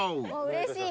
うれしい。